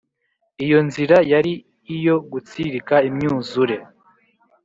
iyo nzira yari iyo gutsirika imyuzure.